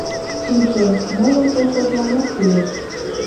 Шинчем, моло колхозланат кӱлеш.